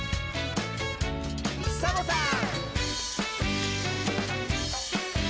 サボさん！